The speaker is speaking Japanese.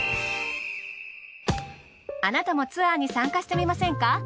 あなたもツアーに参加してみませんか？